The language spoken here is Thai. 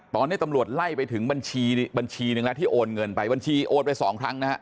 ตอนนี้ตำรวจไล่ไปถึงบัญชีบัญชีหนึ่งแล้วที่โอนเงินไปบัญชีโอนไปสองครั้งนะฮะ